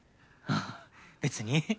ああ別に。